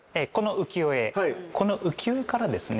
この浮世絵からですね